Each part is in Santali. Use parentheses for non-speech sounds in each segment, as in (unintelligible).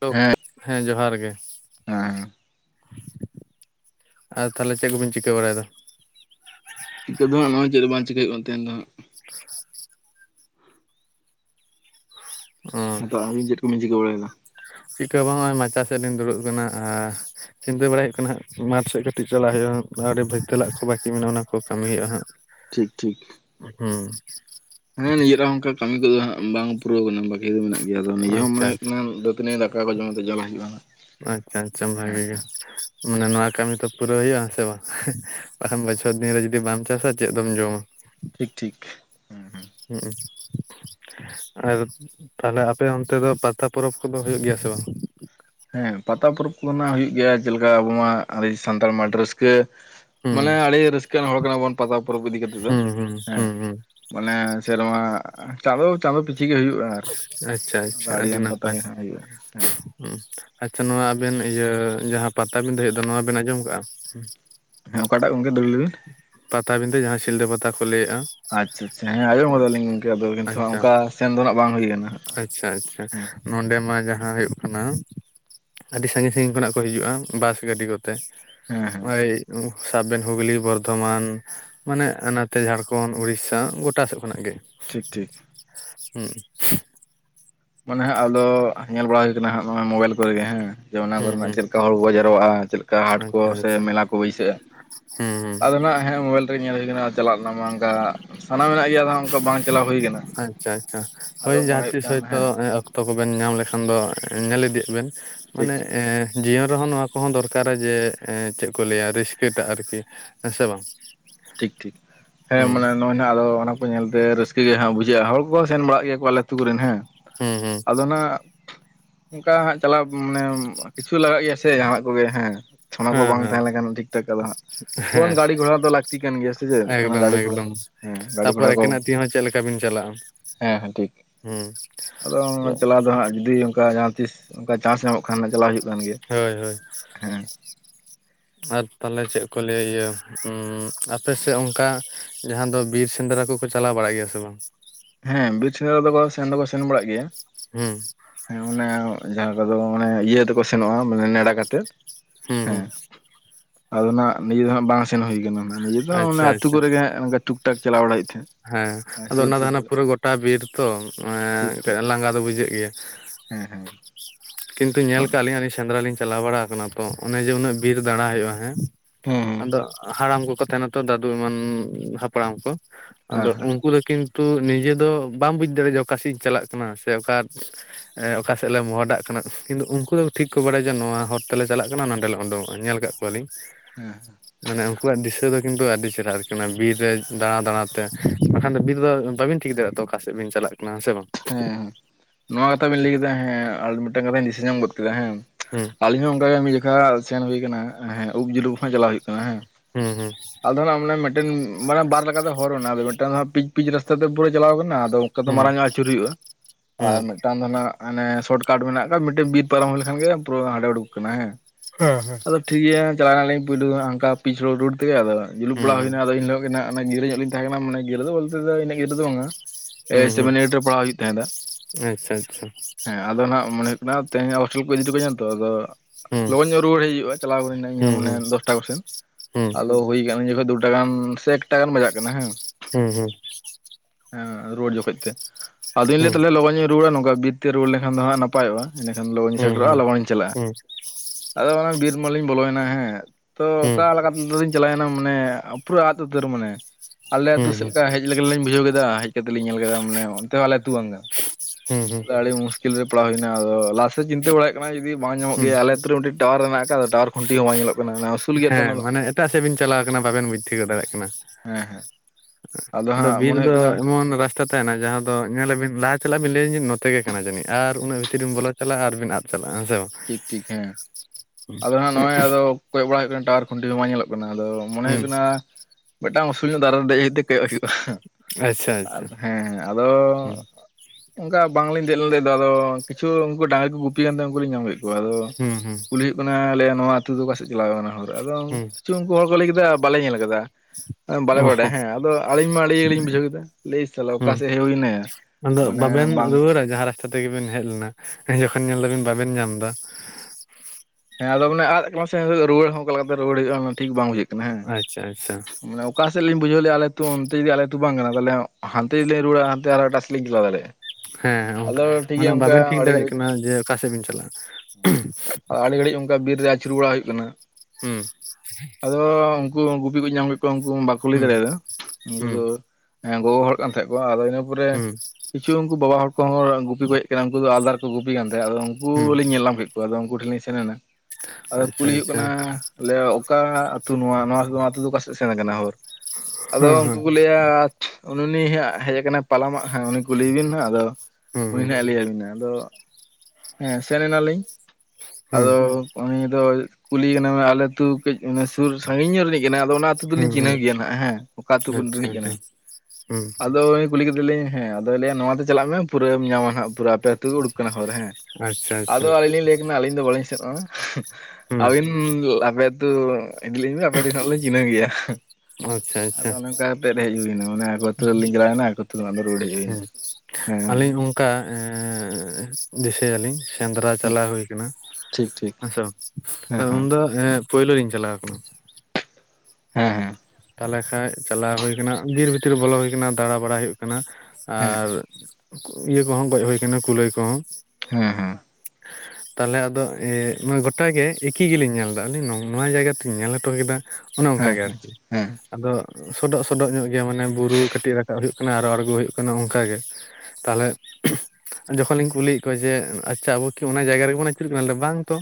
ᱞᱳ, ᱦᱮᱸ ᱦᱮᱸ ᱡᱚᱦᱟᱨ ᱜᱮ ᱦᱮᱸ ᱾ ᱟᱨ ᱛᱟᱦᱞᱮ ᱪᱮᱜ ᱠᱚᱵᱤᱱ ᱪᱤᱠᱟᱹ ᱵᱟᱲᱟᱭᱫᱟ ᱾ ᱪᱤᱠᱟᱹ ᱫᱚ ᱦᱟᱸᱜ ᱱᱚᱜᱼᱚᱭ ᱪᱮᱫ ᱦᱚᱸ ᱵᱟᱝ ᱪᱤᱠᱟᱹᱭᱮᱫ ᱠᱟᱱ ᱛᱟᱦᱮᱧ ᱫᱚ ᱦᱟᱸᱜ ᱾ (inaudible) ᱚ ᱟᱫᱚ ᱟᱵᱤᱱ ᱪᱮᱫ ᱠᱚᱵᱤᱱ ᱪᱤᱠᱟᱹ ᱵᱟᱲᱟᱭᱫᱟ? ᱪᱤᱠᱟᱹ ᱦᱟᱸ ᱵᱟᱝ ᱱᱚᱜᱼᱚᱭ ᱢᱟᱪᱟ ᱥᱮᱫ ᱨᱤᱧ ᱫᱩᱲᱩᱵ ᱟᱠᱟᱱᱟ ᱟᱸ ᱪᱤᱱᱛᱟᱹ ᱵᱟᱲᱟᱭ ᱦᱩᱭᱩᱜ ᱠᱟᱱᱟ ᱦᱟᱸᱜ ᱢᱟᱴᱷ ᱥᱮᱫ ᱠᱟᱹᱴᱤᱡ ᱪᱟᱞᱟᱜ ᱦᱩᱭᱩᱜᱼᱟ ᱟᱹᱰᱤ ᱵᱷᱟᱹᱭᱛᱟᱹ ᱞᱟᱜ ᱠᱚ ᱠᱟᱹᱠᱤ ᱢᱮᱱᱟᱜᱼᱟ ᱚᱱᱟ ᱠᱚ ᱠᱟᱹᱢᱤ ᱦᱩᱭᱩᱜᱼᱟ ᱦᱟᱸᱜ᱾ ᱴᱷᱤᱠ ᱴᱷᱤᱠ ᱾ ᱦᱩᱸ ᱾ ᱦᱮᱸ ᱱᱤᱡᱮᱨᱟᱜ ᱦᱚᱸ ᱚᱱᱠᱟ ᱠᱟᱹᱢᱤ ᱠᱚᱫᱚ ᱦᱟᱸᱜ ᱵᱟᱝ ᱯᱩᱨᱟᱹᱣ ᱠᱟᱱᱟ ᱵᱟᱠᱤ ᱫᱚ ᱢᱮᱱᱟᱜ ᱜᱮᱭᱟ ᱟᱫᱚ ᱱᱤᱡᱮ ᱦᱚᱸ ᱢᱚᱱᱮ ᱟᱪᱪᱷᱟ ᱦᱩᱭᱩᱜ ᱠᱟᱱᱟ ᱛᱮᱱᱮ ᱫᱟᱠᱟ ᱠᱚ ᱡᱚᱢ ᱟᱛᱮ ᱪᱟᱞᱟᱣ ᱦᱩᱭᱩᱜ-ᱟ ᱱᱟᱸᱜ ᱾ ᱟᱪᱪᱷᱟ ᱟᱪᱪᱷᱟ ᱵᱷᱟᱹᱜᱤ ᱜᱮ ᱾ ᱢᱟᱱᱮ ᱱᱚᱣᱟ ᱠᱟᱹᱢᱤ ᱛᱚ ᱯᱩᱨᱟᱹ ᱦᱩᱭᱩᱜ-ᱟ ᱦᱮ ᱥᱮ ᱵᱟᱝ, ᱵᱟᱠᱷᱟᱱ ᱵᱚᱪᱷᱚᱨ ᱫᱤᱱ ᱨᱮ ᱡᱩᱫᱤ ᱵᱟᱢ ᱪᱟᱥᱟ ᱪᱮᱜ ᱫᱚᱢ ᱡᱚᱢᱟ ᱾ ᱴᱷᱤᱠ ᱴᱷᱤᱠ ᱦᱩᱸ ᱾ ᱦᱩᱸᱜᱽ ᱩᱸ ᱾ ᱟᱨ ᱛᱟᱦᱞᱮ ᱟᱯᱮ ᱚᱱᱛᱮ ᱫᱚ ᱯᱟᱛᱟ ᱯᱚᱨᱚᱵᱽ ᱠᱚᱫᱚ ᱦᱩᱭᱩᱜ ᱜᱮᱭᱟ ᱥᱮ ᱵᱟᱝ? ᱦᱮᱸ ᱯᱟᱛᱟ ᱯᱚᱨᱚᱵᱽ ᱠᱚᱫᱚ ᱱᱟᱜ ᱦᱩᱭᱩᱜ ᱜᱮᱭᱟ ᱡᱮᱞᱮᱠᱟ ᱟᱵᱚ ᱢᱟ ᱟᱹᱰᱤ ᱥᱟᱱᱛᱟᱲ ᱢᱟ ᱟᱹᱰᱤ ᱨᱟᱹᱥᱠᱟᱹ ᱦᱩᱸ ᱢᱟᱱᱮ ᱟᱹᱰᱤ ᱨᱟᱹᱥᱠᱟᱹ ᱟᱱ ᱦᱚᱲ ᱠᱟᱱᱟ ᱵᱚᱱ ᱯᱟᱛᱟ ᱯᱚᱨᱚᱵᱽ ᱤᱫᱤ ᱠᱟᱛᱮᱜ ᱫᱚ ᱦᱩᱸ ᱦᱩᱸ ᱦᱮᱸ ᱦᱩᱸ ᱦᱩᱸ ᱾ ᱢᱟᱱᱮ ᱥᱮᱨᱢᱟ ᱪᱟᱸᱫᱚ ᱪᱟᱸᱫᱚ ᱯᱤᱪᱷᱤ ᱜᱮ ᱦᱩᱭᱩᱜᱼᱟ ᱟᱨ ᱟᱪᱪᱷᱟ ᱟᱹᱰᱤᱜᱟᱱ ᱯᱟᱛᱟ ᱜᱮ ᱦᱟᱜ ᱦᱩᱭᱩᱜᱼᱟ ᱦᱮᱸ ᱾ ᱦᱩᱸᱜᱽ ᱩᱸ ᱾ ᱟᱪᱪᱷᱟ ᱱᱚᱣᱟ ᱟᱵᱤᱱ ᱤᱭᱟᱹ ᱡᱟᱦᱟᱸ ᱯᱟᱛᱟ ᱵᱤᱱ ᱞᱟᱹᱭᱮᱫ ᱫᱚ ᱱᱚᱣᱟ ᱵᱮᱱ ᱟᱸᱡᱚᱢ ᱠᱟᱜᱼᱟ? ᱦᱮᱸ ᱚᱠᱟᱴᱟᱜ ᱜᱚᱝᱠᱮ ᱫᱚᱦᱲᱟ ᱞᱟᱹᱭ ᱵᱤᱱ᱾ ᱯᱟᱛᱟᱵᱤᱸᱦᱫᱟᱹ ᱡᱟᱦᱟᱸ ᱥᱤᱞᱫᱟᱹ ᱯᱟᱛᱟ ᱠᱚ ᱞᱟᱹᱭᱮᱜᱼᱟ ᱾ ᱟᱪᱪᱷᱟ ᱟᱪᱪᱷᱟ ᱦᱮᱸ ᱟᱡᱚᱢ ᱟᱠᱟᱫᱟᱞᱤᱧ ᱜᱚᱝᱠᱮ, ᱟᱫᱚ ᱠᱤᱱᱛᱩ ᱟᱪᱪᱷᱟ ᱚᱱᱠᱟ ᱥᱮᱱ ᱫᱚ ᱟᱸᱜ ᱵᱟᱝ ᱦᱩᱭ ᱟᱠᱟᱱᱟ ᱦᱟᱸᱜ᱾ ᱟᱪᱪᱷᱟ ᱟᱪᱪᱷᱟ ᱦᱮᱸ ᱱᱚᱸᱰᱮ ᱢᱟ ᱡᱟᱦᱟᱸ ᱦᱩᱭᱩᱜ ᱠᱟᱱᱟ ᱟᱹᱰᱤ ᱥᱟᱺᱜᱤᱧ ᱥᱟᱺᱜᱤᱧ ᱠᱷᱚᱱᱟᱜ ᱠᱚ ᱦᱤᱡᱩᱜᱼᱟ ᱵᱟᱥ ᱜᱟᱹᱰᱤ ᱠᱚᱛᱮ ᱦᱮᱸ ᱦᱮᱸ ᱱᱚᱜᱼᱚᱭ ᱥᱟᱵᱮᱱ ᱦᱩᱜᱽᱞᱤ ᱵᱚᱨᱫᱷᱚᱢᱟᱱ ᱢᱟᱱᱮ ᱱᱚᱛᱮ ᱡᱷᱟᱲᱠᱷᱚᱸᱰ ᱩᱲᱤᱥᱟ ᱜᱚᱴᱟ ᱥᱮᱜ ᱠᱷᱚᱱᱟᱜ ᱜᱮ ᱾ ᱴᱷᱤᱠ ᱴᱷᱤᱠ ᱾ ᱦᱩᱸᱜ ᱩᱸ ᱾ ᱢᱟᱱᱮ ᱦᱟᱸᱜ ᱟᱫᱚ ᱧᱮᱞ ᱵᱟᱲᱟ ᱦᱩᱭ ᱠᱟᱱᱟ ᱦᱟᱜ ᱱᱚᱜᱚᱭ ᱢᱳᱵᱟᱭᱤᱞ ᱠᱚᱨᱮ ᱜᱮ ᱦᱮᱸ ᱡᱮ ᱚᱱᱟ ᱦᱩᱸ ᱠᱚᱨᱮᱱᱟᱜ ᱦᱩᱸ ᱪᱮᱫ ᱞᱮᱠᱟ ᱦᱚᱲ ᱠᱚ ᱡᱟᱨᱣᱟᱜᱼᱟ ᱪᱮᱫ ᱞᱮᱠᱟ ᱦᱟᱴ ᱠᱚ ᱟᱪᱪᱷᱟ ᱥᱮ ᱟᱪᱪᱷᱟ ᱢᱮᱞᱟ ᱠᱚ ᱵᱟᱹᱭᱥᱟᱹᱜᱼᱟ ᱾ ᱦᱩᱸ ᱦᱩᱸ ᱾ ᱟᱫᱚ ᱦᱟᱸᱜ ᱦᱮᱸ ᱢᱳᱵᱟᱭᱤᱞ ᱨᱮ ᱧᱮᱞ ᱦᱩᱭ ᱟᱠᱟᱱᱟ ᱪᱟᱞᱟᱜ ᱨᱮᱱᱟᱜ ᱢᱟ ᱵᱟᱝ ᱚᱱᱠᱟ ᱥᱟᱱᱟ ᱢᱮᱱᱟᱜ ᱜᱮᱭᱟ ᱚᱱᱠᱟ ᱵᱟᱝ ᱪᱟᱞᱟᱣ ᱦᱩᱭ ᱠᱟᱱᱟ ᱟᱪᱪᱷᱟ ᱟᱪᱪᱷᱟ ᱟᱫᱚ ᱢᱚᱱᱮ ᱦᱩᱭᱩᱜ ᱠᱟᱱ ᱦᱮᱸ ᱛᱚ ᱠᱚᱵᱮᱱ ᱧᱟᱢ ᱞᱮᱠᱷᱟᱱ ᱫᱚ ᱧᱮᱞ ᱤᱫᱤᱜ ᱵᱤᱱ ᱴᱷᱤᱠ ᱢᱟᱱᱮ ᱴᱷᱤᱠ ᱮᱸ ᱡᱤᱭᱚᱱ ᱨᱮᱦᱚᱸ ᱱᱚᱣᱟ ᱠᱚᱦᱚᱸ ᱫᱚᱨᱠᱟᱨᱟ ᱡᱮ ᱪᱮᱫ ᱠᱚ ᱞᱟᱹᱭᱟ ᱨᱟᱹᱥᱠᱟᱹᱴᱟᱜ ᱟᱨᱠᱤ ᱦᱮᱸ ᱥᱮ ᱵᱟᱝ? ᱴᱷᱤᱠ ᱴᱷᱤᱠ ᱦᱮᱸ ᱦᱩᱸ ᱢᱟᱱᱮ ᱱᱚᱜᱼᱚᱭ ᱱᱟᱜ ᱟᱫᱚ ᱚᱱᱟ ᱧᱮᱞᱛᱮ ᱨᱟᱹᱥᱠᱟᱹ ᱜᱮ ᱦᱟᱸᱜ ᱵᱩᱡᱷᱟᱹᱜᱼᱟ, ᱦᱚᱲ ᱠᱚᱠᱚ ᱥᱮᱱ ᱵᱟᱲᱟᱜ ᱜᱮᱭᱟ ᱟᱞᱮ ᱟᱛᱩ ᱠᱚᱨᱮᱱ ᱦᱮᱸ ᱦᱩᱸ ᱦᱩᱸ ᱾ ᱟᱫᱚ ᱱᱟᱜᱼᱼ ᱚᱱᱠᱟ ᱦᱟᱸᱜ ᱪᱟᱞᱟᱣ ᱢᱟᱱᱮ, ᱠᱤᱪᱷᱩ ᱞᱟᱜᱟᱜ ᱜᱮᱭᱟ ᱥᱮ ᱡᱟᱸᱦᱟᱱᱟᱜ ᱠᱚᱜᱮ ᱦᱮᱸᱼᱼ ᱪᱷᱚᱞᱟ ᱠᱚ ᱦᱮᱸ ᱵᱟᱝ ᱦᱮᱸ ᱛᱟᱦᱮᱸ ᱞᱮᱱᱠᱷᱟᱱ ᱴᱷᱤᱠ ᱴᱷᱟᱠ ᱠᱟ ᱫᱚ ᱦᱟᱸᱜ ᱡᱮᱢᱚᱱ (unintelligible) ᱛᱚ ᱚᱱᱟ ᱦᱮᱸ ᱜᱟᱲᱤ ᱜᱷᱚᱲᱟ ᱫᱚ ᱞᱟᱹᱠᱛᱼᱼ ᱞᱟᱹᱠᱛᱤ ᱠᱟᱱ ᱜᱮᱭᱟ ᱥᱮ ᱪᱮᱫ ᱚᱱᱟ ᱮᱠᱫᱚᱢ ᱜᱟᱲᱤ ᱠᱚ, ᱮᱠᱫᱚᱢ ᱜᱟᱹᱲᱤ ᱛᱟᱯᱚᱨ ᱜᱷᱚᱲᱟ ᱠᱚᱼᱼ ᱟᱹᱠᱤᱱᱟᱜ ᱛᱤ ᱦᱚᱸ ᱪᱮᱫ ᱞᱮᱠᱟ ᱵᱤᱱ ᱪᱟᱞᱟᱜᱼᱟ ᱦᱮᱸ ᱦᱮᱸ ᱴᱷᱤᱠ, ᱦᱩᱸ ᱟᱫᱚ ᱪᱟᱞᱟᱣ ᱫᱚ ᱦᱟᱸᱜ ᱡᱩᱫᱤ ᱚᱱᱠᱟ ᱡᱟᱦᱟᱸᱛᱤᱥᱼᱼ ᱚᱱᱠᱟ ᱪᱟᱱᱥ ᱧᱟᱢᱚᱜ ᱠᱷᱟᱱ ᱦᱟᱸᱜ ᱪᱟᱞᱟᱜ ᱦᱩᱭᱩᱜᱼᱟ ᱾ ᱦᱳᱭ ᱦᱳᱭ ᱾ ᱟᱨ ᱛᱟᱦᱞᱮ ᱪᱮᱫ ᱠᱚ ᱞᱟᱹᱭᱭᱟ, ᱩᱸ ᱟᱯᱮ ᱥᱮᱫ ᱚᱱᱠᱟᱼᱼ ᱡᱟᱦᱟᱸ ᱫᱚ ᱵᱤᱨ ᱥᱮᱸᱫᱽᱨᱟ ᱠᱚᱠᱚ ᱪᱟᱞᱟᱣ ᱵᱟᱲᱟᱜ ᱜᱮᱭᱟ ᱥᱮ ᱵᱟᱝ? ᱦᱮᱸ ᱵᱤᱨ ᱥᱮᱸᱫᱽᱨᱟ ᱨᱮᱫᱚ ᱠᱚ ᱥᱮᱱ ᱫᱚᱠᱚ ᱥᱮᱱ ᱵᱟᱲᱟᱜ ᱜᱮᱭᱟ ᱾ ᱦᱩᱸ ᱾ ᱦᱮᱸ ᱚᱱᱮ ᱡᱟᱦᱟᱸ ᱠᱚᱫᱚ ᱚᱱᱮ ᱤᱭᱟᱹ ᱛᱮᱠᱚ ᱥᱮᱱᱚᱜᱼᱟ, ᱢᱟᱱᱮ ᱱᱮᱰᱟ ᱠᱟᱛᱮᱫ ᱦᱩᱸ ᱾ ᱦᱩᱸ ᱦᱮᱸ ᱟᱫᱚ ᱦᱟᱸᱜ ᱱᱤᱭᱟᱹ ᱫᱚ ᱵᱟᱸᱼᱼ ᱥᱮᱱ ᱦᱩᱭ ᱟᱠᱟᱱᱟ ᱱᱟᱜ, ᱱᱤᱡᱮᱹ ᱫᱚ ᱟᱪᱪᱷᱟ ᱟᱹᱛᱩ ᱟᱪᱪᱷᱟ ᱠᱚᱨᱮ ᱦᱟᱸᱜ ᱱᱚᱝᱠᱟ ᱴᱩᱠ ᱴᱟᱠ ᱪᱟᱞᱟᱣ ᱵᱟᱲᱟ ᱦᱩᱭᱩᱜᱼᱼ ᱦᱮᱸ ᱟᱫᱚ ᱚᱱᱟ ᱫᱚ ᱦᱟᱱᱟ ᱯᱩᱨᱟᱹ ᱜᱚᱴᱼᱼ ᱜᱳᱴᱟ ᱵᱤᱨ ᱛᱚ ᱴᱷᱤᱠ ᱴᱷᱤᱠ ᱮᱸ ᱞᱟᱸᱜᱟ ᱫᱚ ᱵᱩᱡᱷᱟᱹᱜ ᱜᱮᱭᱟ ᱦᱮᱸ ᱦᱮᱸ ᱾ ᱠᱤᱱᱛᱩ ᱧᱮᱞ ᱠᱟᱜᱼᱟᱞᱤᱧ ᱟᱹᱞᱤᱧ ᱥᱮᱸᱫᱽᱨᱟ ᱞᱤᱧ ᱪᱟᱞᱟᱣ ᱵᱟᱲᱟ ᱠᱟᱱᱟ ᱛᱚ ᱚᱱᱮ ᱡᱮ ᱩᱱᱟᱹᱜ ᱵᱤᱨ ᱫᱟᱬᱟ ᱦᱩᱭᱩᱜᱼᱟ ᱦᱮᱸᱼᱼ ᱦᱮᱸ ᱦᱮᱸ ᱟᱫᱚ ᱦᱟᱲᱟᱢ ᱠᱚᱠᱚ ᱛᱟᱸᱦᱮᱱᱟ ᱛᱚ, ᱫᱟᱫᱩ ᱮᱢᱟᱱ ᱦᱟᱯᱲᱟᱢ ᱠᱚ ᱾ ᱟᱫᱚ ᱦᱮᱸ ᱩᱱᱠᱩ ᱫᱚ ᱠᱤᱱᱛᱩ ᱱᱤᱡᱮ ᱫᱚ ᱵᱟᱢ ᱵᱩᱡᱽ ᱫᱟᱲᱮᱭᱟᱜᱼᱟ, ᱚᱠᱟ ᱥᱮᱫ ᱪᱟᱞᱟᱜ ᱠᱟᱱᱟ ᱥᱮ ᱚᱠᱟᱼᱼ ᱮ ᱚᱠᱟ ᱥᱮᱫ ᱞᱮ ᱢᱚᱦᱰᱟᱜ ᱠᱟᱱᱟ, ᱠᱤᱱᱛᱩ ᱩᱱᱠᱩ ᱫᱚ ᱴᱷᱤᱠ ᱠᱚ ᱵᱟᱲᱟᱭᱟ ᱡᱮ ᱱᱚᱣᱟ ᱦᱚᱨ ᱛᱮᱞᱮ ᱪᱟᱞᱟᱜ ᱠᱟᱱᱟ ᱱᱚᱸᱰᱮᱞᱮ ᱩᱰᱩᱠᱚᱜᱼᱟ, ᱧᱮᱞ ᱠᱟᱜ ᱠᱚᱣᱟ ᱾ ᱠᱚᱣᱟᱞᱤᱧ ᱾ ᱦᱮᱸᱦᱮᱸ (inaudible) ᱢᱟᱱᱮ ᱩᱱᱠᱩᱣᱟᱜ ᱫᱤᱥᱟᱹ ᱫᱚ ᱠᱤᱱᱛᱩ ᱟᱹᱰᱤ ᱪᱮᱦᱨᱟ, ᱵᱤᱨ ᱨᱮ ᱫᱟᱬᱟ ᱫᱟᱬᱟ ᱛᱮ ᱾ ᱵᱟᱠᱷᱟᱱ ᱫᱚ ᱵᱤᱨ ᱫᱚ ᱵᱟᱹᱵᱤᱱ ᱴᱷᱤᱠᱟᱹ ᱫᱟᱲᱮᱭᱟᱜ ᱛᱚ ᱚᱠᱟ ᱥᱮᱫ ᱵᱤᱱ ᱪᱟᱞᱟᱜ ᱠᱟᱱᱟ ᱾ ᱦᱮᱸ, ᱱᱚᱣᱟ ᱠᱟᱛᱷᱟ ᱵᱤᱱ ᱞᱟᱹᱭ ᱠᱮᱫᱟ, ᱦᱮᱸ ᱟᱨ ᱢᱤᱫᱴᱟᱝ ᱠᱟᱛᱷᱟᱧ ᱫᱤᱥᱟᱹ ᱧᱟᱢ ᱜᱚᱫ ᱠᱮᱫᱟ ᱦᱮᱸ ᱾ ᱦᱮᱸ ᱾ ᱟᱹᱞᱤᱧ ᱦᱚᱸ ᱚᱱᱠᱟᱜᱮ ᱢᱤᱫ ᱡᱮᱠᱷᱟ ᱥᱮᱱ ᱦᱩᱭ ᱠᱟᱱᱟ, ᱮᱸ ᱩᱵ ᱡᱩᱞᱩᱯ ᱦᱟᱸᱜ ᱪᱟᱞᱟᱣ ᱦᱩᱭᱩᱜ ᱠᱟᱱᱟ ᱦᱮᱸ ᱦᱩᱸ ᱾ ᱟᱫᱚ ᱱᱟᱜ ᱢᱮᱜ ᱢᱤᱫᱴᱮᱱ ᱢᱟᱱᱮ ᱵᱟᱨ ᱞᱮᱠᱟᱛᱮ ᱦᱚᱨ ᱢᱮᱱᱟᱜᱼᱟ, ᱢᱤᱫᱴᱟᱹᱝ ᱯᱤᱪ ᱯᱤᱪ ᱨᱟᱥᱛᱟ ᱛᱮ ᱯᱩᱨᱟᱹ ᱪᱟᱞᱟᱣ ᱟᱠᱟᱱᱟᱼᱼ ᱟᱫᱚ ᱚᱱᱠᱟ ᱫᱚ ᱦᱩᱸ ᱢᱟᱨᱟᱝ ᱧᱚᱜ ᱟᱹᱪᱩᱨ ᱦᱩᱭᱩᱜᱼᱟ ᱾ ᱦᱩᱸ ᱦᱩᱸ ᱟᱨ ᱢᱤᱫᱴᱟᱹᱝ ᱫᱚ ᱱᱟᱜ ᱮ ᱥᱚᱨᱴᱠᱟᱴ ᱢᱮᱱᱟᱜ ᱟᱠᱟᱫ ᱢᱤᱫᱴᱮᱱ ᱵᱤᱨ ᱯᱟᱨᱚᱢ ᱦᱩᱭ ᱞᱮᱠᱷᱟᱱ ᱜᱮ ᱯᱩᱨᱟᱹ ᱦᱟᱸᱰᱮ ᱩᱰᱩᱠ ᱟᱠᱟᱱᱟ ᱦᱮᱸ ᱾ ᱦᱮ ᱦᱮᱸ ᱾ ᱴᱷᱤᱠ ᱜᱮᱭᱟ ᱪᱟᱞᱟᱣ ᱮᱱᱟᱞᱤᱧ ᱯᱩᱭᱞᱩ ᱫᱚ ᱦᱟᱸᱜ ᱯᱤᱪ ᱨᱳᱰ ᱨᱳᱰ ᱛᱮᱜᱮ ᱟᱫᱚ ᱡᱩᱞᱩᱯ ᱵᱟᱲᱟ ᱦᱩᱸ ᱦᱩᱭᱱᱟ ᱟᱫᱚ ᱮᱱ ᱦᱤᱞᱳᱜᱼᱼ ᱚᱱᱟ ᱜᱤᱫᱽᱨᱟᱹ ᱧᱚᱜ ᱞᱤᱧ ᱛᱟᱦᱮᱸ ᱠᱟᱱᱟ, ᱢᱟᱱᱮ ᱜᱤᱫᱽᱨᱟᱹ ᱫᱚ ᱵᱚᱞᱛᱮ ᱫᱚ ᱤᱱᱟᱹᱜ ᱜᱤᱫᱽᱨᱟᱹ ᱫᱚ ᱵᱟᱝᱼᱟ ᱾ ᱦᱩᱸ ᱦᱩᱸ ᱾ ᱯᱚᱲᱦᱟᱣ ᱦᱩᱭᱩᱜ ᱛᱟᱦᱮᱸᱫᱚᱜ, ᱦᱮᱸᱼᱼ ᱟᱫᱚ ᱦᱟᱸᱜ ᱢᱚᱱᱮ ᱦᱩᱭᱩᱜ ᱠᱟᱱᱟ ᱛᱮᱦᱮᱧ ᱦᱳᱥᱴᱮᱞ ᱠᱚ ᱤᱫᱤ ᱚᱴᱚ ᱠᱟᱹᱧᱟ ᱛᱚ ᱟᱫᱚᱼᱼ ᱦᱩᱸ ᱞᱚᱜᱚᱱ ᱧᱚᱜ ᱨᱩᱣᱟᱹᱲ ᱦᱮᱡ ᱦᱩᱭᱩᱜᱼᱟ ᱪᱟᱞᱟᱣ ᱟᱠᱟᱹᱱᱟᱧ ᱤᱧ ᱦᱩᱸ ᱦᱚᱸ ᱢᱟᱱᱮ ᱦᱩᱸ ᱫᱚᱥᱴᱟ ᱠᱚᱥᱮᱱ ᱦᱩᱸ ᱟᱫᱚᱼᱼ ᱦᱩᱭ ᱟᱠᱟᱱᱟ ᱩᱱ ᱡᱚᱠᱷᱚᱡ ᱫᱩᱴᱟ ᱜᱟᱱ, ᱥᱮ ᱮᱠᱴᱟ ᱜᱟᱱ ᱵᱟᱡᱟᱜ ᱠᱟᱱᱟ ᱦᱮᱸ ᱾ ᱦᱩᱸ ᱦᱩᱸ ᱦᱮᱸ ᱨᱩᱣᱟᱹᱲ ᱡᱚᱠᱷᱮᱡ ᱛᱮ, ᱟᱫᱚᱧ ᱞᱟᱹᱭ ᱦᱩᱸ ᱛᱟᱦᱚᱞᱮ ᱞᱚᱜᱚᱱᱤᱧ ᱨᱩᱣᱟᱹᱲᱟ ᱱᱚᱝᱠᱟ ᱵᱤᱨ ᱛᱮ ᱨᱩᱣᱟᱹᱲ ᱞᱮᱠᱷᱟᱱ ᱫᱚ ᱦᱟᱸᱜ ᱱᱟᱼᱼ ᱱᱟᱯᱟᱭᱚᱜᱼᱟ, ᱤᱸᱰᱮᱠᱷᱟᱱ ᱞᱚᱜᱚᱱᱤᱧ ᱥᱮᱴᱮᱨᱚᱜᱼᱟ ᱟᱨ ᱦᱩᱸ ᱦᱩᱸ ᱦᱩᱸ ᱦᱩᱸ ᱦᱩᱸ ᱞᱚᱜᱚᱱᱤᱧ ᱪᱟᱞᱟᱜᱼᱟ ᱦᱩᱸ ᱾ ᱟᱫᱚ ᱚᱱᱟ ᱵᱤᱨ ᱢᱟᱞᱤᱧ ᱵᱚᱞᱚᱭᱮᱱᱟ ᱦᱮᱸ, ᱛᱚ ᱚᱠᱟ ᱞᱮᱠᱟᱛᱼᱼ ᱛᱤᱧ ᱪᱟᱞᱟᱣᱮᱱᱟ ᱢᱟᱱᱮ ᱯᱩᱨᱟᱹ ᱟᱫ ᱩᱛᱟᱹᱨ ᱟᱠᱟᱱᱟᱹᱧ ᱾ ᱟᱞᱮ ᱟᱹᱛᱩ ᱥᱮᱫ ᱞᱮᱠᱟ ᱦᱮᱡ ᱞᱮᱠᱟ ᱞᱤᱧ ᱵᱩᱡᱷᱟᱹᱣ ᱠᱮᱫᱟ, ᱦᱮᱡ ᱠᱟᱛᱮᱞᱤᱧ ᱧᱮᱞ ᱠᱮᱫᱟ ᱢᱟᱱᱮᱼᱼ ᱟᱞᱮ ᱟᱛᱩ ᱵᱟᱝ ᱠᱟᱱᱟ, ᱦᱩᱸ ᱦᱩᱸ ᱛᱟᱦᱞᱮ ᱟᱹᱰᱤ ᱢᱩᱥᱠᱤᱞ ᱨᱮ ᱯᱟᱲᱟᱣ ᱦᱩᱭᱱᱟ ᱟᱫᱚ ᱾ ᱥᱮ ᱪᱤᱱᱛᱟᱹ ᱵᱟᱲᱟᱭᱮᱫ ᱠᱟᱱᱟᱭ ᱡᱩᱫᱤ ᱵᱟᱝ ᱧᱟᱢᱚᱜ ᱦᱩᱸ ᱜᱮᱭᱟ ᱟᱞᱮ ᱟᱛᱩ ᱨᱮ ᱢᱤᱫ ᱴᱤᱡ ᱴᱟᱣᱟᱨ ᱢᱮᱱᱟᱜ ᱟᱠᱟᱫᱟ ᱴᱟᱣᱟᱨ ᱠᱷᱩᱱᱴᱤ ᱦᱚᱸ ᱵᱟᱝ ᱧᱮᱞᱚᱜ (unintelligible) ᱩᱥᱩᱞ ᱜᱮᱭᱟᱛᱚ ᱦᱮᱸ ᱚᱱᱟ ᱫᱚ᱾ ᱢᱟᱱᱮ ᱮᱴᱟᱜ ᱥᱮᱫ ᱵᱤᱱ ᱪᱟᱞᱟᱣ ᱠᱟᱱᱟ ᱵᱟᱵᱮᱱ ᱵᱩᱡ ᱛᱤᱭᱟᱹᱜ ᱫᱟᱲᱮᱜ ᱠᱟᱱᱟ᱾ ᱟᱫᱚ ᱦᱟᱸᱜ ᱢᱚᱱᱮ ᱵᱤᱨ ᱦᱩᱭᱩᱜ ᱫᱚ ᱠᱟᱱᱟ ᱮᱢᱚᱱ ᱨᱟᱥ ᱛᱟ ᱛᱟᱦᱮᱱᱟ ᱡᱟᱦᱟᱸ ᱫᱚ ᱧᱮᱞᱟᱵᱤᱱ ᱞᱟᱦᱟ ᱪᱟᱞᱟᱜ ᱟᱵᱤᱱ ᱞᱟᱹᱭᱟᱵᱤᱱ ᱡᱮ ᱱᱚᱛᱮ ᱜᱮ ᱠᱟᱱᱟ ᱡᱟᱹᱱᱤᱡ ᱟᱨ ᱩᱱᱟᱹᱜ ᱵᱷᱤᱛᱤᱨ ᱵᱤᱱ ᱵᱚᱞᱚ ᱪᱟᱞᱟᱜ-ᱟ ᱟᱨ ᱵᱤᱱ ᱟᱫ ᱪᱟᱞᱟᱜ-ᱟ ᱦᱮᱸ ᱥᱮ ᱵᱟᱝ? ᱴᱷᱤᱠ ᱴᱷᱤᱠ ᱦᱮᱸ᱾ (inaudible) ᱟᱫᱚ ᱦᱟᱸᱜ ᱱᱚᱜᱚᱭ ᱟᱫᱚ ᱠᱚᱭᱚᱜ ᱵᱟᱲᱟ ᱦᱩᱭᱩᱜ ᱠᱟᱱᱟ ᱴᱟᱣᱟᱨ ᱠᱷᱩᱱᱴᱤ ᱦᱚᱸ ᱵᱟᱝ ᱧᱮᱞᱚᱜ ᱠᱟᱱᱟ ᱟᱫᱚ ᱢᱚᱱᱮ ᱦᱩᱸ ᱦᱩᱭᱩᱜ ᱠᱟᱱᱟ ᱢᱤᱫᱴᱟᱝ ᱩᱥᱩᱞ ᱧᱚᱜ ᱫᱟᱨᱮ ᱫᱮᱡ ᱦᱮᱡ ᱛᱮ ᱠᱚᱭᱚᱜ ᱦᱩᱭᱩᱜ-ᱟ, ᱟᱪᱪᱷᱟ ᱟᱪᱪᱷᱟ ᱦᱮᱸ ᱟᱫᱚ ᱦᱩᱸ ᱚᱝᱠᱟ ᱵᱟᱝᱞᱤᱧ ᱫᱮᱡ ᱞᱮ ᱫᱚ ᱟᱫᱚ ᱠᱤᱪᱷᱩ ᱩᱝᱠᱩ ᱰᱟᱝᱨᱤ ᱠᱚ ᱜᱩᱯᱤ ᱠᱟᱱ ᱛᱟᱦᱮᱜ ᱩᱝᱠᱩᱞᱤᱧ ᱧᱟᱢ ᱠᱮᱫ ᱠᱚᱣᱟ ᱟᱫᱚ ᱦᱩᱸ ᱦᱩᱸ ᱠᱩᱞᱤ ᱦᱩᱭᱩᱜ ᱠᱟᱱᱟ ᱟᱞᱮ ᱱᱚᱣᱟ ᱟᱹᱛᱩ ᱫᱚ ᱚᱠᱟ ᱥᱮᱫ ᱪᱟᱞᱟᱣ ᱠᱟᱱᱟ ᱦᱚᱨ ᱟᱫᱚ ᱦᱩᱸ ᱠᱤᱪᱷᱩ ᱩᱝᱠᱩ ᱦᱚᱲ ᱠᱚ ᱞᱟᱹᱭ ᱠᱮᱫᱟ ᱵᱟᱞᱮ ᱧᱮᱞ ᱠᱟᱫᱟ᱾ ᱵᱟᱞᱮ ᱚ ᱵᱟᱰᱟᱭᱟ ᱦᱚᱸ ᱦᱮᱸ ᱟᱫᱚ ᱟᱹᱞᱤᱧ ᱢᱟ ᱟᱹᱰᱤ ᱤᱭᱟᱹᱞᱤᱧ ᱵᱩᱡᱷᱟᱹᱣ ᱠᱮᱫᱟ, ᱤᱥ ᱥᱟᱞᱟ ᱚᱠᱟ ᱦᱩᱸ ᱥᱮᱫ ᱦᱮᱡ ᱦᱩᱭ ᱱᱟᱭᱟ᱾ ᱟᱫᱚ ᱵᱟᱵᱮᱱ ᱨᱩᱣᱟᱹᱲᱟ ᱡᱟᱦᱟᱸ ᱨᱟᱥᱛᱟ ᱛᱮᱜᱮ ᱵᱤᱱ ᱦᱮᱡ ᱞᱮᱱᱟ, ᱡᱚᱠᱷᱚᱱ ᱧᱮᱞ ᱫᱟᱵᱤᱱ ᱵᱟᱵᱮᱱ ᱧᱟᱢ ᱫᱟ᱾ ᱦᱮᱸ ᱟᱫᱚ ᱚᱱᱮ ᱟᱫ ᱠᱟᱱᱟ ᱥᱮ (unintelligible) ᱨᱩᱣᱟᱹᱲ ᱦᱚᱸ ᱚᱠᱟ ᱞᱮᱠᱟᱛᱮ ᱨᱩᱣᱟᱹᱲ ᱦᱩᱭᱩᱜ-ᱟ ᱚᱱᱟ ᱴᱷᱤᱠ ᱵᱟᱝ ᱵᱩᱡᱷᱟᱹᱜ ᱠᱟᱱᱟ ᱦᱮᱸ᱾ ᱟᱪᱪᱷᱟ ᱟᱪᱪᱷᱟ ᱢᱟᱱᱮ ᱚᱠᱟ ᱥᱮᱫ ᱞᱤᱧ ᱵᱩᱡᱷᱟᱹᱣ ᱞᱮᱜᱟ ᱟᱞᱮ ᱟᱹᱛᱩ ᱚᱱᱛᱮ ᱡᱩᱫᱤ ᱟᱞᱮ ᱟᱹᱛᱩ ᱵᱟᱝ ᱠᱟᱱᱟ ᱛᱟᱦᱟᱞᱮ ᱦᱟᱱᱛᱮ ᱡᱩᱫᱤᱞᱤᱧ ᱨᱩᱭᱟᱹᱲ ᱦᱟᱱᱛᱮ ᱟᱨᱦᱚᱸ ᱮᱴᱟᱜ ᱥᱮᱫ ᱞᱤᱧ ᱪᱟᱞᱟᱣ ᱫᱟᱲᱮᱜ-ᱟ᱾ ᱦᱮᱸ ᱢᱟᱱᱮ ᱵᱟᱵᱮᱱ ᱴᱷᱤᱠ ᱫᱟᱲᱮᱜ ᱜᱷᱟᱹᱲᱤᱡ ᱠᱟᱱᱟ ᱡᱮ ᱚᱠᱟ ᱥᱮᱫ ᱵᱤᱱ ᱪᱟᱞᱟᱜ-ᱟ᱾ ᱟᱹᱰᱤ ᱜᱷᱟᱹᱲᱤᱡ ᱚᱝᱠᱟ ᱵᱤᱨ ᱨᱮ ᱟᱹᱪᱩᱨ ᱵᱟᱲᱟ ᱦᱩᱭᱩᱜ ᱠᱟᱱᱟ᱾ ᱦᱩᱸ ᱟᱫᱚ ᱩᱝᱠᱩ ᱜᱩᱯᱤ ᱠᱩᱧ ᱧᱟᱢ ᱠᱮᱫ ᱠᱚ ᱩᱝᱠᱩ ᱵᱟᱠᱚ ᱞᱟᱹᱭ ᱦᱩᱸ ᱫᱟᱲᱮᱭᱟᱫᱟ ᱩᱝᱠᱩ ᱦᱩᱸ ᱫᱚ ᱮᱸ ᱜᱚᱜᱚ ᱦᱚᱲ ᱠᱟᱱ ᱛᱟᱦᱮᱫ ᱠᱚ ᱟᱫᱚ ᱤᱱᱟᱹ ᱯᱚᱨᱮ ᱦᱩᱸ ᱠᱤᱪᱷᱩ ᱩᱝᱠᱩ ᱵᱟᱵᱟ ᱦᱚᱲ ᱠᱚ ᱦᱚᱲ ᱜᱩᱯᱤ ᱠᱚ ᱦᱮᱡ ᱠᱟᱱᱟ ᱩᱝᱠᱩ ᱫᱚ ᱟᱫᱟ ᱨᱮᱠᱚ ᱜᱩᱯᱤ ᱠᱟᱱ ᱛᱟᱦᱮᱫ ᱟᱫᱚ ᱩᱝᱠᱩ ᱦᱩᱸ ᱞᱤᱧ ᱧᱮᱞ ᱧᱟᱢ ᱠᱮᱫ ᱠᱚᱣᱟ ᱟᱫᱚ ᱩᱝᱠᱩ ᱴᱷᱮᱱ ᱞᱤᱧ ᱥᱮᱱ ᱮᱱᱟ᱾ ᱟᱫᱚ ᱟᱪᱪᱷᱟ ᱠᱩᱞᱤ ᱦᱩᱭᱩᱜ ᱟᱪᱪᱷᱟ ᱠᱟᱱᱟ (unintelligible) ᱚᱠᱟ ᱟᱹᱛᱩ ᱱᱚᱣᱟ (unintelligible) ᱛᱩ ᱫᱚ ᱚᱠᱟ ᱥᱮᱫ ᱥᱮᱱ ᱠᱟᱱᱟ ᱦᱚᱨ, ᱟᱫᱚ ᱦᱮᱸ ᱩᱱᱠᱩ ᱦᱮᱸ ᱠᱚ ᱞᱮᱹᱭᱟ ᱩᱱᱩ ᱩᱱᱤ ᱦᱟᱸᱜ ᱦᱮᱡ ᱠᱟᱱᱟ᱾ ᱯᱟᱞᱦᱟ ᱢᱟᱜ ᱦᱟᱸᱜ ᱩᱱᱤ ᱠᱩᱞᱤᱭᱤᱵᱤᱱ ᱦᱟᱸᱜ, ᱟᱫᱚ ᱦᱩᱸ ᱩᱱᱤ ᱱᱟᱦᱟᱸᱜ ᱞᱟᱹᱭ ᱟᱵᱤᱱᱟ ᱟᱫᱚ ᱦᱮᱸ ᱥᱮᱱ ᱮᱱᱟᱞᱤᱧ ᱦᱩᱸ ᱟᱫᱚ ᱩᱱᱤ ᱫᱚ ᱠᱩᱞᱤ ᱠᱟᱱᱟ ᱟᱞᱮ ᱟᱹᱛᱩ ᱠᱟᱹᱡ ᱥᱩᱨ ᱥᱟᱹᱜᱤᱧ ᱧᱚᱜ ᱨᱤᱱᱤᱡ ᱟᱫᱚ ᱚᱱᱟ ᱟᱹᱛᱩ ᱫᱚᱞᱤᱧ ᱦᱩᱸ ᱦᱩᱸ ᱦᱩᱸ, ᱪᱤᱱᱦᱟᱹᱣ ᱜᱮᱭᱟ ᱱᱟ ᱦᱮᱸ, ᱚᱠᱟ ᱟᱹᱛᱩ ᱠᱚ ᱟᱪᱪᱷᱟ ᱨᱤᱱᱤᱡ ᱟᱪᱪᱷᱟ ᱠᱟᱱᱟᱭ ᱦᱩᱸ ᱟᱫᱚ ᱠᱩᱞᱤ ᱠᱮᱫᱮᱞᱤᱧ ᱦᱮᱸ ᱟᱫᱚᱭ ᱞᱟᱹᱭᱟ ᱱᱚᱣᱟᱛᱮ ᱪᱟᱞᱟᱜ ᱢᱮ ᱯᱩᱨᱟᱹᱣ ᱧᱟᱢᱟ ᱱᱟᱜ ᱯᱩᱨᱟ ᱟᱯᱮ ᱟᱹᱛᱩ ᱜᱮ ᱩᱰᱩᱠ ᱠᱟᱱᱟ ᱦᱚᱨ ᱦᱮᱸ, ᱟᱪᱪᱷᱟ ᱟᱫᱚ ᱟᱪᱪᱷᱟ ᱟᱹᱞᱤᱧ ᱞᱤᱧ ᱞᱟᱹᱭ ᱠᱟᱱᱟ ᱟᱹᱞᱤᱧ ᱫᱚ ᱵᱟᱹᱞᱤᱧ ᱥᱮᱱᱚᱜ-ᱟ᱾ ᱦᱩᱸ ᱟᱹᱵᱤᱱ ᱟᱯᱮ ᱟᱹᱛᱩ ᱤᱫᱤ ᱞᱤᱧ ᱵᱤᱱ ᱟᱯᱮ (unintelligible) ᱞᱤᱧ ᱪᱤᱱᱦᱟᱹᱣ ᱜᱮᱭᱟ᱾ ᱟᱪᱪᱷᱟ ᱟᱫᱚ ᱟᱪᱪᱷᱟ ᱚᱱᱮ ᱚᱱᱠᱟ ᱠᱟᱛᱮᱛ ᱦᱮᱡ ᱦᱩᱭᱱᱟ ᱢᱟᱱᱮ ᱟᱠᱚ ᱟᱹᱛᱩ ᱨᱮ ᱞᱤᱧ ᱪᱟᱞᱟᱣᱮᱱᱟ ᱟᱠᱚ ᱟᱹᱛᱩ ᱠᱷᱚᱱᱟᱜ ᱟᱫᱚ ᱨᱩᱣᱟᱹᱲ ᱦᱮᱡ ᱦᱩᱭᱱᱟ᱾ ᱦᱮᱸ ᱟᱹᱞᱤᱧ ᱦᱚᱸ ᱚᱝᱠᱟ ᱮᱸ ᱫᱤᱥᱟᱹᱭᱟᱞᱤᱧ ᱥᱮᱸᱫᱽᱨᱟ ᱪᱟᱞᱟᱣ ᱦᱩᱭ ᱠᱟᱱᱟ ᱴᱷᱤᱠ ᱴᱷᱤᱠ ᱦᱮᱸ (unintelligible) ᱦᱮᱸ ᱩᱱᱫᱚ ᱯᱳᱭᱞᱳ ᱞᱤᱧ ᱪᱟᱞᱟᱣ ᱠᱟᱱᱟ᱾ ᱦᱮᱸ ᱦᱮᱸ᱾ ᱛᱟᱦᱟᱞᱮ ᱠᱷᱟᱡ ᱪᱟᱞᱟᱣ ᱦᱩᱭ ᱠᱟᱱᱟ ᱵᱤᱨ ᱵᱷᱤᱛᱤᱨ ᱵᱚᱞᱚ ᱦᱩᱭ ᱠᱟᱱᱟ, ᱫᱟᱬᱟ ᱵᱟᱲᱟᱭ ᱦᱩᱭᱩᱜ ᱠᱟᱱᱟ ᱦᱮᱸ ᱟᱨ ᱤᱭᱟᱹ ᱠᱚᱦᱚᱸ ᱜᱚᱡ ᱦᱩᱭ ᱠᱟᱱᱟ ᱠᱩᱞᱟᱹᱭ ᱠᱚᱦᱚᱸ᱾ ᱦᱮᱸ ᱦᱮᱸ᱾ (inaudible) ᱛᱟᱞᱦᱮ ᱟᱫᱚ (unintelligible) ᱜᱚᱴᱟᱜᱮ ᱮᱠᱤ ᱜᱮᱞᱤᱧ ᱧᱮᱞ ᱫᱟ ᱟᱹᱞᱤᱧ ᱱᱚᱣᱟ ᱡᱟᱭᱜᱟ ᱛᱚ ᱧᱮᱞ ᱦᱚᱴᱚ ᱠᱮᱫᱟ᱾ ᱚᱱᱚ ᱚᱝᱠᱟ ᱦᱮᱸ ᱦᱮᱸ ᱜᱮ ᱦᱮᱸ ᱟᱨᱠᱤ᱾ ᱦᱮᱸ ᱟᱫᱚ ᱥᱚᱰᱚᱜ ᱥᱚᱰᱚᱜ ᱧᱚᱜ ᱜᱮᱭᱟ ᱢᱟᱱᱮ ᱵᱩᱨᱩ ᱠᱟᱹᱴᱤᱡ ᱨᱟᱠᱟᱵ ᱦᱩᱭᱩᱜ ᱠᱟᱱᱟ ᱟᱨᱚ ᱟᱲᱜᱚ ᱦᱩᱭᱩᱜ ᱠᱟᱱᱟ ᱚᱱᱠᱟ ᱜᱮᱼᱼ ᱛᱟᱦᱚᱞᱮ (unintelligible) ᱡᱚᱠᱷᱚᱱ ᱞᱤᱧ ᱠᱩᱞᱤᱭᱮᱫ ᱠᱚᱣᱟ ᱡᱮ ᱟᱪᱪᱷᱟ ᱟᱵᱚ ᱠᱤ ᱚᱱᱟ ᱡᱟᱭᱜᱟ ᱨᱮᱜᱮᱵᱚᱱ ᱟᱹᱪᱩᱨᱚᱜ ᱠᱟᱱᱟ ᱞᱟᱹᱭ ᱫᱟ ᱵᱟᱝ ᱛᱚᱼᱼ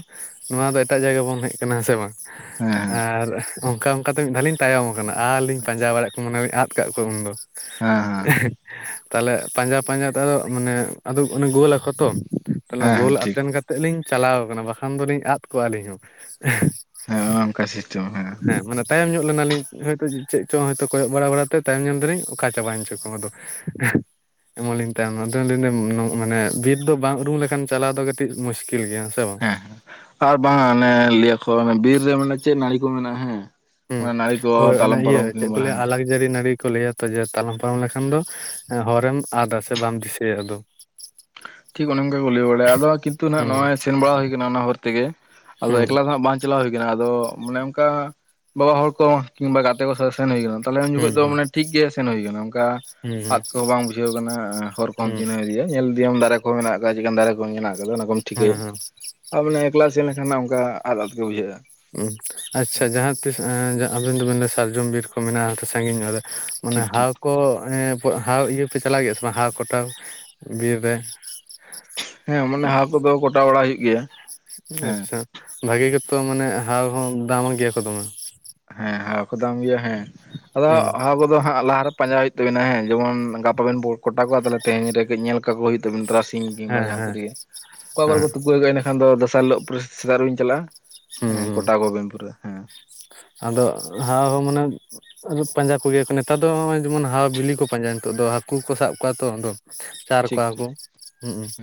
ᱱᱚᱣᱟ ᱫᱚ ᱮᱴᱟᱜ ᱡᱟᱭᱜᱟ ᱵᱚᱱ ᱦᱮᱡ ᱟᱠᱟᱱᱟ ᱥᱮ ᱵᱟᱝ? ᱦᱮᱸ ᱦᱮᱸ ᱟᱨ ᱚᱱᱠᱟ ᱚᱱᱠᱟᱛᱮ ᱢᱤᱫ ᱫᱷᱟᱣ ᱞᱤᱧ ᱛᱟᱭᱚᱢ ᱟᱠᱟᱱᱟ ᱟᱨ ᱞᱤᱧ ᱟᱪᱪᱷᱟ ᱯᱟᱸᱡᱟ ᱵᱟᱲᱟᱭᱮᱫ ᱠᱚ ᱢᱚᱱᱮ ᱟᱫᱼᱼ ᱟᱠᱟᱫ ᱠᱚᱣᱟ ᱩᱱᱫᱚ᱾ ᱦᱮᱸ ᱦᱮᱸ ᱛᱟᱦᱚᱞᱮ ᱯᱟᱸᱡᱟ ᱯᱟᱸᱡᱟ ᱛᱮ ᱢᱟᱱᱮ ᱟᱫᱚ ᱚᱱᱮ ᱜᱳᱞᱟ ᱟᱠᱚ ᱛᱚ᱾ ᱛᱟᱦᱚᱞᱮ ᱦᱮᱸ ᱦᱮᱸ ᱜᱳᱞ ᱴᱷᱤᱠ ᱟᱛᱮᱱ ᱠᱟᱛᱮᱜ ᱞᱤᱧ ᱪᱟᱞᱟᱣ ᱠᱟᱱᱟ ᱵᱟᱠᱷᱟᱱ ᱫᱚᱞᱤᱧ ᱟᱫ ᱠᱚᱜᱣᱟ ᱟᱹᱞᱤᱧ ᱦᱚᱸ ᱳᱱᱠᱟ ᱥᱤᱥᱴᱮᱢ ᱦᱮᱸ ᱢᱟᱱᱮ ᱛᱟᱭᱚᱢ ᱧᱚᱜᱼᱼ ᱞᱮᱱᱟᱞᱤᱧ ᱦᱚᱭᱛᱳ ᱪᱮᱫ ᱪᱚᱝ ᱦᱚᱭᱛᱳ ᱠᱚᱭᱚᱜ ᱵᱟᱲᱟ ᱵᱟᱲᱟ ᱛᱮ ᱛᱟᱭᱚᱢ ᱧᱟᱢ ᱫᱟᱞᱤᱧ ᱚᱠᱟ ᱪᱟᱵᱟᱭᱮᱱ ᱪᱚᱠᱚ ᱟᱫᱚᱼᱼ ᱮᱢᱚᱱ ᱞᱤᱧ ᱛᱟᱭᱚᱢ ᱮᱱᱟ ᱟᱫᱚ ᱞᱤᱧ ᱞᱟᱹᱭ ᱭᱟᱹᱫᱟ ᱢᱟᱱᱮ ᱵᱤᱨ ᱫᱚ ᱵᱟᱝ ᱩᱨᱩᱢ ᱞᱮᱠᱷᱟᱱ ᱪᱟᱞᱟᱣ ᱫᱚ ᱠᱟᱹᱴᱤᱡ ᱢᱩᱥᱠᱤᱞ ᱜᱮᱭᱟ ᱥᱮ ᱵᱟᱝ? ᱟᱨ ᱵᱟᱝ ᱚᱱᱮ ᱞᱟᱹᱭᱟᱠᱚ ᱵᱤᱨ ᱨᱮ ᱢᱟᱱᱮ ᱪᱮᱫ ᱱᱟᱹᱲᱤ ᱠᱚ ᱢᱮᱱᱟᱜᱼᱟ ᱦᱮᱸᱼᱼ ᱦᱩᱸ ᱳᱱᱟ ᱱᱟᱲᱤ ᱠᱚ ᱦᱳᱭ ᱚᱱᱟ ᱛᱞᱟᱚᱢ ᱤᱭᱟᱹ ᱯᱟᱨᱚᱢ ᱪᱮᱫ ᱠᱚ ᱠᱤᱝᱵᱟ ᱦᱮᱸᱼᱼ ᱞᱟᱹᱭᱟ ᱟᱞᱟᱠ ᱡᱟᱹᱨᱤ ᱱᱟᱹᱲᱤ ᱠᱚ ᱞᱟᱹᱭᱟ ᱛᱚ ᱡᱮ ᱛᱟᱞᱚᱢ ᱯᱟᱨᱚᱢ ᱞᱮᱠᱷᱟᱱ ᱫᱚ ᱦᱚᱨᱮᱢ ᱟᱫᱟ ᱥᱮ ᱵᱟᱢ ᱫᱤᱥᱟᱹᱭᱟ ᱟᱫᱚ᱾ (inaudible) ᱴᱷᱤᱠ ᱚᱱᱮ ᱚᱱᱠᱟ ᱠᱚ ᱞᱟᱹᱭ ᱵᱟᱲᱟᱭᱟ ᱟᱫᱚ ᱠᱤᱱᱛᱩᱜ ᱦᱩᱸ ᱱᱚᱷᱚᱭ ᱥᱮᱱ ᱵᱟᱲᱟ ᱦᱩᱭᱠᱱᱟ ᱚᱱᱟ ᱦᱚᱨ ᱛᱮᱜᱮ ᱟᱫᱚ ᱦᱩᱸ ᱮᱠᱞᱟ ᱫᱚ ᱦᱟᱜ ᱵᱟᱝᱼᱼ ᱪᱟᱞᱟᱣ ᱦᱩᱭ ᱟᱠᱟᱱᱟ ᱟᱫᱚ ᱢᱟᱱᱮ ᱚᱱᱠᱟ ᱵᱟᱵᱟ ᱦᱚᱲ ᱠᱚ ᱠᱤᱝᱵᱟ ᱜᱟᱛᱮ ᱠᱚ ᱥᱟᱞᱟᱜ ᱥᱮᱱ ᱦᱩᱭ ᱟᱠᱟᱱᱟ, ᱛᱟ ᱦᱚᱞᱮ ᱩᱱ ᱡᱚᱠᱷᱚᱱ ᱦᱩᱸ ᱫᱚ ᱢᱟᱱᱮ ᱴᱷᱤᱠ ᱜᱮ ᱥᱮᱱ ᱦᱩᱭ ᱟᱠᱟᱱᱟ ᱚᱱᱠᱟᱼᱼ ᱦᱩᱸ ᱦᱩᱸ ᱟᱫ ᱠᱚᱦᱚᱸ ᱵᱟᱝ ᱵᱩᱡᱷᱟᱹᱣ ᱟᱠᱟᱱᱟ ᱦᱚᱨ ᱠᱚᱦᱚᱸ ᱦᱩᱸ ᱪᱤᱱᱦᱟᱹᱣ ᱤᱫᱤᱭᱟ᱾ ᱧᱮᱞ ᱤᱫᱤᱭᱟᱢ ᱫᱟᱨᱮ ᱠᱚᱦ ᱢᱮᱱᱟᱜ ᱟᱠᱟᱫᱟ ᱪᱮᱫᱠᱟᱱ ᱫᱟᱨᱮ ᱠᱚ ᱢᱮᱱᱟᱜ ᱟᱠᱟᱫᱟ ᱚᱱᱟ ᱠᱚᱢ ᱦᱮᱸ ᱴᱷᱤᱠᱟᱹᱭᱟ᱾ ᱦᱮᱸ ᱟᱨ ᱢᱟᱱᱮ ᱮᱠᱞᱟ ᱥᱮᱱ ᱞᱮᱱᱟᱱ ᱱᱟᱷᱟᱜ ᱚᱱᱠᱟ ᱟᱫ ᱟᱫ ᱜᱮ ᱵᱩᱡᱷᱟᱹᱜᱼᱟ᱾ ᱟᱪᱪᱷᱟ ᱡᱟᱦᱟᱸ ᱛᱤᱥ ᱟᱵᱮᱱ ᱫᱚᱵᱮᱱ ᱥᱟᱨᱡᱚᱢ ᱵᱤᱨ ᱠᱚ ᱢᱮᱱᱟᱜᱼᱟ ᱥᱟᱹᱜᱤᱧ ᱧᱚᱜ ᱨᱮᱼᱼ ᱢᱟᱱᱮ ᱴᱷᱤᱠ ᱴᱷᱤᱠ ᱦᱟᱣ ᱠᱚ ᱦᱟᱣ ᱤᱭᱟᱹ ᱯᱮ ᱪᱟᱞᱟᱜ ᱜᱮᱭᱟ ᱥᱮ ᱵᱟᱝ ᱦᱟᱣ ᱠᱚᱴᱟᱣ ᱵᱤᱨ ᱨᱮ? ᱦᱮᱸ ᱢᱟᱱᱮ ᱦᱟᱩ ᱠᱚᱫᱚ ᱠᱚᱴᱟ ᱵᱟᱲᱟ ᱦᱩᱭᱩᱜ ᱜᱮᱭᱟ᱾ ᱦᱮᱸ ᱟᱪᱪᱷᱟ ᱵᱷᱟᱜᱮ ᱜᱮᱛᱚ ᱢᱟᱱᱮ ᱦᱟᱩ ᱦᱚᱸ ᱫᱟᱢ ᱜᱮᱭᱟ ᱠᱚ ᱫᱚᱢᱮᱼᱼ ᱦᱮᱸ ᱦᱟᱩ ᱠᱚ ᱫᱟᱢ ᱜᱮᱭᱟ ᱦᱮᱸ ᱟᱫᱚ ᱦᱩᱸ ᱦᱟᱩ ᱠᱚᱫᱚᱼᱼ ᱩᱱᱠᱩ ᱫᱚ ᱦᱟᱸ ᱞᱟᱦᱟᱨᱮ ᱯᱟᱸᱡᱟ ᱦᱩᱭᱩᱜ ᱛᱟᱤᱱᱟ ᱡᱮᱢᱚᱱ ᱜᱟᱯᱟ ᱵᱚᱱ ᱠᱚᱴᱟ ᱠᱚᱣᱟ ᱛᱟᱦᱚᱞᱮ ᱛᱮᱦᱮᱧᱨᱮ ᱠᱟᱹᱡ ᱧᱮᱞ ᱠᱟᱠᱚ ᱦᱩᱭᱩᱜ ᱛᱟᱵᱮᱱᱟ ᱛᱟᱨᱟᱥᱼᱼ ᱥᱤᱧ ᱦᱮᱸ ᱠᱤᱢᱵᱟ ᱡᱟᱦᱟᱸ ᱦᱮᱸ ᱛᱤᱨᱮᱜᱮ ᱚᱠᱟ ᱠᱚᱨᱮ ᱦᱮᱸ ᱠᱚᱨᱮ ᱛᱩᱟᱹᱟᱜᱼᱟ ᱮᱱᱟᱹᱠᱷᱟᱱ ᱫᱚᱥᱟᱨ ᱦᱤᱞᱳᱜ ᱯᱚᱨᱮ ᱠᱤᱱ ᱪᱟᱞᱟᱜᱼᱟ᱾ ᱦᱩᱸ ᱦᱮᱸ ᱦᱩᱸ ᱠᱚᱴᱟ ᱠᱚᱵᱤᱱ ᱯᱩᱨ ᱦᱮᱸ᱾ ᱟᱫᱚ ᱦᱟᱟᱣ ᱢᱟᱱᱮᱼᱼ ᱯᱟᱸᱡᱟ ᱠᱚ ᱦᱩᱭᱩᱜᱟ ᱱᱮᱛᱟᱨ ᱫᱚᱜ ᱡᱮᱢᱚᱱ ᱦᱟᱟᱣ ᱵᱤᱞᱤ ᱠᱚ ᱯᱟᱸᱡᱟᱭᱟ ᱱᱤᱛᱚᱜ ᱫᱚ ᱦᱟᱹᱠᱩ ᱠᱚ ᱥᱟᱵ ᱠᱚᱣᱟ ᱛᱚ ᱟᱫᱼᱼ ᱪᱟᱨ ᱴᱷᱤᱠ ᱠᱚᱣᱟ ᱠᱚ ᱴᱷᱤᱠ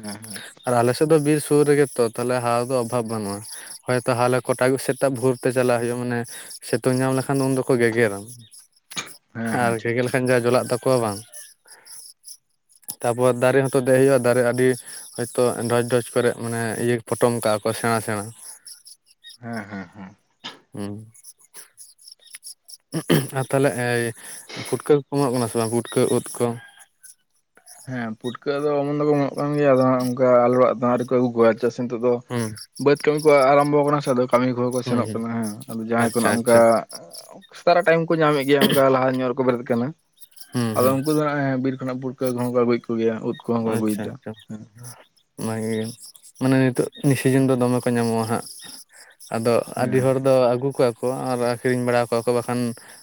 ᱦᱮᱸ ᱟᱨ ᱟᱞᱮᱼᱼ ᱫᱚ ᱵᱤᱨ ᱥᱩᱨ ᱨᱮᱜᱮ ᱛᱚ ᱛᱟᱦᱚᱞᱮ ᱦᱟᱣ ᱫᱚ ᱚᱵᱷᱟᱵ ᱵᱟᱹᱱᱩᱜᱼᱟ᱾ ᱦᱳᱭ ᱛᱟᱦᱚᱞᱮ ᱠᱚᱴᱟᱜ ᱥᱮᱴᱟᱜ ᱵᱷᱳᱨ ᱛᱮ ᱪᱟᱞᱟᱜ ᱦᱩᱭᱩᱜᱼᱟ ᱢᱟᱱᱮᱼᱼ ᱥᱤᱛᱩᱝ ᱧᱟᱢ ᱞᱮᱠᱷᱟᱱ ᱩᱱ ᱫᱚᱠᱚ ᱜᱮᱜᱮᱨᱨᱟ ᱦᱮᱸ ᱟᱨ ᱦᱮᱸ ᱴᱷᱤᱠ ᱜᱮᱜᱮᱨ ᱴᱷᱤᱠ ᱞᱮᱠᱷᱟᱱ ᱡᱟ ᱡᱚᱞᱟᱜ ᱛᱟᱼᱼ ᱠᱚᱣᱟ ᱵᱟᱝ ᱛᱟᱯᱚᱨ ᱫᱟᱨᱮ ᱦᱚᱸᱛᱚ ᱫᱮᱡ ᱦᱩᱭᱩᱜᱼᱟ ᱫᱟᱨᱮ ᱟᱹᱰᱤᱼᱼ ᱦᱚᱭᱛᱳ ᱰᱷᱚᱡ ᱰᱷᱚᱡ ᱠᱚᱨᱮ ᱢᱟᱱᱮ ᱤᱭᱟᱹ ᱯᱚᱴᱚᱢ ᱠᱟᱜᱼᱟ ᱠᱚ ᱥᱮᱬᱟᱸ ᱥᱮᱬᱟᱸ ᱦᱮᱸ ᱦᱮᱸᱼᱼ ᱦᱩᱢ ᱟᱨ ᱛᱟᱦᱚᱞᱮ ᱯᱷᱩᱴᱠᱟᱹ ᱠᱚ ᱠᱚ ᱚᱢᱚᱱᱜ ᱠᱟᱱᱟ ᱥᱮ ᱵᱟᱝ ᱯᱷᱩᱴᱠᱟᱹ ᱩᱫ ᱠᱚ? ᱦᱮᱸ ᱯᱷᱩᱴᱠᱟᱹ ᱫᱚ ᱚᱢᱚᱱ ᱫᱚᱠᱚ ᱮᱢᱚᱱᱜ ᱠᱟᱱ ᱜᱮᱭᱟ ᱟᱫᱚ ᱦᱟᱜ ᱚᱱᱠᱟ ᱟᱞᱮ ᱚᱲᱟ ᱫᱟᱜ ᱦᱟᱜ. ᱟᱹᱨᱤ ᱠᱚ ᱚᱜᱩ ᱠᱚᱭᱟ ᱪᱮᱫᱟᱥᱮ ᱱᱤᱛᱚᱜ ᱫᱚᱼᱼ ᱦᱩᱢ ᱠᱟᱹᱢᱤ ᱠᱚ ᱟᱨᱟᱢᱵᱷᱚ ᱠᱟᱱᱟ ᱥᱮ ᱟᱫᱚ ᱠᱟᱹᱢᱤ ᱠᱚᱦᱚᱸ ᱠᱚ ᱥᱮᱱᱚᱜ ᱦᱩᱸ ᱠᱟᱱᱟᱸ ᱟᱫᱚ ᱡᱟᱦᱟᱸᱭ ᱠᱚ ᱟᱪᱪᱷᱟ ᱱᱟᱦᱟᱜ ᱚᱱᱠᱟᱼᱼ ᱟᱪᱪᱷᱟ ᱥᱮᱛᱟᱜ ᱨᱮ ᱴᱟᱭᱤᱢ ᱠᱚ ᱧᱟᱢᱮᱜ ᱜᱮᱭᱟ ᱚᱱᱠᱟ ᱞᱟᱦᱟ ᱧᱚᱜ ᱵᱮᱨᱮᱫ ᱟᱠᱟᱱᱟ ᱦᱩᱸ ᱟᱫᱚ ᱦᱩᱸ ᱩᱱᱠᱩ ᱫᱚ ᱵᱤᱨ ᱠᱷᱚᱱᱟᱜ ᱯᱩᱴᱠᱟᱹ ᱠᱚᱦᱚᱸ ᱠᱚ ᱟᱹᱜᱩᱭᱮᱫ ᱠᱚᱜᱮᱭᱟ ᱩᱫᱽ ᱠᱚ ᱦᱚ ᱠᱚ ᱟᱜᱩᱭ ᱫᱟ, ᱚᱱᱟᱜᱮ ᱢᱟᱱᱮ ᱱᱤᱛᱚᱜ ᱱᱤᱥᱤᱡᱚᱱ ᱫᱚ ᱫᱚᱢᱮ ᱠᱚ ᱧᱟᱢᱚᱜᱼᱟ ᱦᱟᱸᱜ ᱾ ᱟᱫᱚ ᱟᱹᱰᱤ ᱦᱮᱸ ᱦᱚᱲ ᱫᱚ ᱟᱹᱜᱩ ᱠᱚᱣᱟ ᱠᱚ ᱟᱨ ᱟᱹᱠᱷᱨᱤᱧ ᱵᱟᱲᱟ ᱠᱚᱣᱟ ᱠᱚ, ᱵᱟᱠᱷᱟᱱ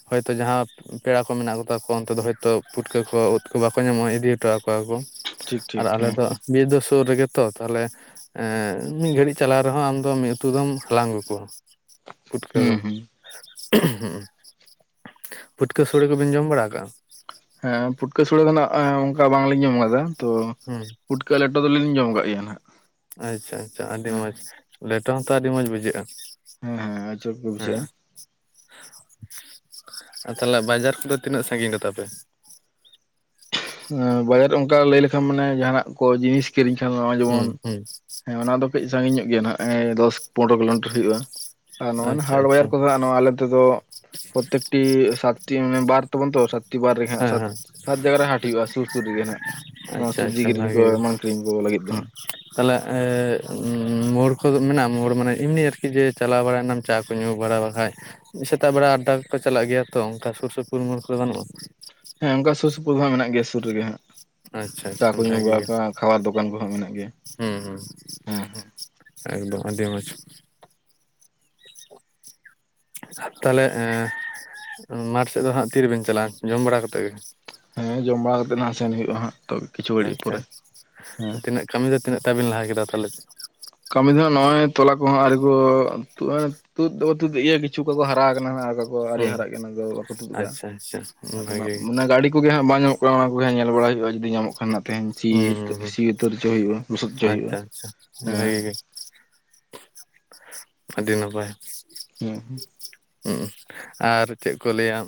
ᱦᱚᱭᱛᱳ ᱡᱟᱦᱟᱸ ᱯᱮᱲᱟ ᱠᱚ ᱢᱮᱱᱟᱜ ᱠᱚᱛᱟ ᱠᱚᱣᱟ ᱚᱱᱛᱮ ᱫᱚ ᱦᱚᱭᱛᱚ ᱯᱩᱴᱠᱟᱹ ᱠᱚ ᱩᱫ ᱠᱚ ᱵᱟᱠᱚ ᱧᱟᱢᱚᱜᱼᱟ ᱤᱫᱤ ᱦᱚᱴᱚᱣ ᱟᱠᱚ ᱾ ᱴᱷᱤᱠ ᱟᱨ ᱴᱷᱤᱠ ᱟᱞᱮ ᱦᱮᱸ ᱫᱚ ᱢᱤᱫ ᱫᱚ ᱥᱩᱨ ᱨᱮᱜᱮ ᱛᱚ ᱛᱟᱦᱞᱮ ᱢᱤᱫ ᱜᱷᱟᱹᱲᱤᱡ ᱪᱟᱞᱟᱣ ᱨᱮᱦᱚᱸ ᱟᱢᱫᱚ ᱢᱤᱫ ᱩᱛᱩ ᱫᱚᱢ ᱦᱟᱞᱟᱝ ᱟᱹᱜᱩ ᱠᱚᱣᱟ᱾ ᱯᱷᱩᱴᱠᱟᱹ ᱫᱚ, ᱦᱩᱸ ᱦᱩᱸ ᱯᱩᱴᱠᱟᱹ ᱥᱳᱲᱮ ᱠᱚᱵᱮᱱ ᱡᱚᱢ ᱵᱟᱲᱟ ᱠᱟᱜᱼᱟ? ᱦᱮᱸ ᱯᱷᱩᱴᱠᱟᱹ ᱥᱚᱲᱮ ᱫᱚ ᱱᱟᱷᱟᱜ ᱚᱱᱠᱟ ᱵᱟᱝᱞᱤᱧ ᱡᱚᱢ ᱟᱠᱟᱫᱟ, ᱦᱩᱸ ᱯᱩᱴᱠᱟᱹ ᱞᱮᱴᱚ ᱫᱚᱞᱤᱧᱚ ᱢᱚᱢ ᱠᱟᱜᱼᱟ ᱜᱮᱭᱟ ᱦᱟᱜ ᱾ ᱟᱪᱪᱷᱟ ᱟᱪᱪᱷᱟ ᱟᱹᱰᱤ ᱢᱚᱡᱽ ᱞᱮᱴᱚ ᱦᱚᱸᱛᱚ ᱟᱹᱰᱤ ᱢᱚᱡᱽ ᱵᱩᱡᱷᱟᱹᱜᱼᱟ ᱾ ᱦᱮᱸ ᱦᱮᱸ ᱟᱪᱚᱨ ᱜᱮ ᱵᱩᱡᱷᱟᱹᱜᱼᱟ ᱾ ᱟᱨ ᱛᱟᱦᱚᱞᱮ ᱵᱟᱡᱟᱨ ᱠᱚᱫᱚ ᱛᱤᱱᱟᱹᱜ ᱥᱟᱺᱜᱤᱧ ᱨᱮᱛᱟ ᱯᱮ ᱻ ᱵᱟᱡᱟᱨ ᱚᱱᱠᱟ ᱞᱟᱹᱭ ᱞᱮᱠᱷᱟᱱ ᱢᱟᱱᱮ ᱡᱟᱦᱱᱟᱜ ᱠᱚ ᱡᱤᱱᱤᱥ ᱠᱤᱨᱤᱧ ᱠᱷᱟᱱ ᱱᱚᱜᱚᱭ ᱡᱮᱢᱚᱱ ᱦᱩᱸ ᱦᱩᱸ ᱦᱮᱸ ᱚᱱᱟ ᱫᱚ ᱠᱟᱹᱡ ᱥᱟᱺᱜᱤᱧ ᱧᱚᱜ ᱜᱮᱭᱟ ᱱᱟᱦᱟᱜ ᱫᱚᱥ ᱯᱚᱱᱨᱚ ᱠᱤᱞᱳᱢᱤᱴᱟᱨ ᱦᱩᱭᱩᱜᱼᱟ ᱾ ᱟᱨ ᱱᱚᱜᱼᱚᱭ ᱟᱪᱪᱷᱟ ᱦᱟᱰ ᱟᱪᱪᱷᱟ ᱵᱟᱭᱟᱨ ᱠᱚᱫᱚ ᱟᱞᱮ ᱛᱮᱫᱚ ᱯᱨᱚᱛᱛᱮᱠᱴᱤ ᱥᱟᱛᱴᱤ ᱢᱟᱱᱮ ᱵᱟᱨ ᱟᱵᱚᱱ ᱛᱚ ᱥᱟᱛᱴᱤ ᱵᱟᱨ ᱨᱮ ᱦᱮᱸ ᱥᱟᱛ ᱦᱮᱸ ᱡᱟᱭᱜᱟ ᱨᱮ ᱦᱟᱴ ᱦᱥᱩᱨᱥᱩᱨ ᱨᱮᱜᱮ ᱱᱟᱦᱟᱜ ᱱᱚᱣᱟ ᱟᱪᱪᱷᱟ ᱥᱚᱵᱽᱡᱤ ᱟᱪᱪᱷᱟ ᱠᱤᱨᱤᱧ ᱵᱷᱟᱜᱮ ᱠᱚ ᱜᱮ ᱮᱢᱟᱱ ᱠᱤᱨᱤᱧ ᱠᱚ ᱞᱟᱹᱜᱤᱫ ᱫᱚ ᱦᱩᱸ ᱦᱟᱸᱜ ᱾ ᱛᱟᱦᱚᱞᱮ ᱢᱳᱲ ᱠᱚᱫᱚ ᱢᱮᱱᱟᱜᱼᱟ ᱢᱳᱲ ᱢᱟᱱᱮ ᱮᱢᱱᱤ ᱟᱨᱠᱤ ᱡᱮ, ᱪᱟᱞᱟᱣ ᱵᱟᱲᱟᱭᱱᱟᱢ ᱪᱟ ᱠᱚ ᱧᱩ ᱵᱟᱲᱟ ᱵᱟᱠᱷᱟᱡ ᱥᱮᱛᱟᱜ ᱵᱮᱲᱟ ᱟᱰᱰᱟᱠᱚ ᱪᱟᱞᱟᱜ ᱜᱮᱭᱟ ᱛᱚ ᱚᱱᱠᱟ ᱥᱩᱨ ᱥᱩᱯᱩᱨ ᱢᱳᱲ ᱠᱚ ᱵᱟᱱᱩᱜᱼᱟ? ᱦᱮᱸ ᱚᱱᱠᱟ ᱥᱩᱨ ᱥᱩᱯᱩᱨ ᱦᱟᱸᱜ ᱢᱮᱱᱟᱜ ᱜᱮᱭᱟ ᱥᱩᱨ ᱨᱮᱜᱮ ᱦᱟᱸᱜ᱾ ᱟᱪᱪᱷᱟ ᱪᱟ ᱟᱪᱪᱷᱟ ᱠᱚ ᱧᱩ ᱵᱷᱟᱜᱮ ᱵᱟᱲᱟ ᱜᱮ ᱠᱚᱟᱜ ᱠᱷᱟᱣᱟᱨ ᱫᱚᱠᱟᱱ ᱠᱚᱦᱚᱸ ᱢᱮᱱᱟᱜ ᱜᱮᱭᱟ ᱦᱩᱸ ᱦᱩᱸ ᱦᱮᱸ ᱦᱮᱸ ᱾ ᱮᱠᱫᱚᱢ ᱟᱹᱰᱤ ᱢᱚᱡᱽ ᱾ ᱟᱨ ᱛᱟᱦᱚᱞᱮ ᱢᱟᱴᱷ ᱥᱮᱫ ᱫᱚ ᱦᱟᱜ ᱛᱤᱨᱮᱵᱮᱱ ᱪᱟᱞᱟᱜᱼᱟ ᱡᱚᱢ ᱵᱟᱲᱟ ᱠᱟᱛᱮᱜ ᱜᱮ? ᱦᱮᱸ ᱡᱚᱢ ᱵᱟᱲᱟ ᱠᱟᱛᱮᱜ ᱦᱟᱸᱜ ᱥᱮᱱ ᱦᱩᱭᱩᱜᱼᱟ ᱦᱟᱸᱜ ᱾ ᱟᱪᱪᱷᱟ, ᱛᱤᱱᱟᱹᱜ ᱠᱟᱹᱢᱤ ᱫᱚ ᱛᱤᱱᱟᱹᱜ ᱛᱟᱵᱤᱱ ᱞᱟᱦᱟ ᱠᱮᱫᱟ ᱛᱟᱦᱚᱞᱮ? ᱠᱟᱹᱢᱤ ᱫᱚᱦᱟᱸᱜ ᱱᱚᱜᱼᱚᱭ ᱛᱚᱞᱟ ᱠᱚᱦᱚᱸ ᱟᱹᱣᱨᱤ ᱠᱚ ᱛᱩᱫ ᱫᱚᱠᱚ ᱛᱩᱫᱮᱫ ᱜᱮᱭᱟ ᱠᱤᱪᱷᱩ ᱠᱚᱠᱚ ᱦᱟᱨᱟ ᱟᱠᱟᱱᱟ, ᱟᱨ ᱟᱨᱮ ᱦᱩᱸ ᱦᱟᱨᱟᱜ ᱜᱮ ᱵᱟᱠᱚ ᱛᱩᱫ ᱮᱫᱟ ᱟᱪᱪᱷᱟ ᱟᱪᱪᱷᱟ ᱟᱫᱚ ᱵᱷᱟᱜᱮ ᱢᱟᱱᱮ ᱜᱟᱹᱰᱤ ᱠᱚᱜᱮ ᱦᱟᱸᱜ ᱵᱟᱝ ᱧᱟᱢᱚᱜ ᱛᱚ ᱦᱚᱸᱜᱚᱭ ᱵᱚᱭᱦᱟ ᱧᱮᱞ ᱵᱟᱲᱟ ᱦᱩᱭᱩᱜᱼᱟ ᱡᱩᱫᱤ ᱧᱟᱢᱚᱜ ᱠᱷᱟᱱ ᱛᱮᱦᱮᱧ ᱥᱤ ᱦᱩᱸ ᱦᱩᱸ ᱥᱤ ᱩᱛᱟᱹᱨ ᱚᱪᱚ ᱦᱩᱭᱩᱜᱼᱟ᱾ ᱞᱩᱚᱥᱚᱫ ᱚᱪᱚᱭ ᱦᱩᱭᱩᱜᱼᱟ ᱾ ᱵᱷᱟᱹᱜᱤ ᱜᱮ, ᱟᱹᱰᱤ ᱱᱟᱯᱟᱭ ᱾ ᱦᱮᱸ ᱦᱚᱜ-ᱚᱸ ᱟᱨ ᱪᱮᱫ ᱠᱚ ᱞᱟᱹᱭᱟ